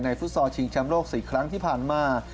ในฟุตซอลชิงชำโลกสี่ครั้งที่ผ่านมา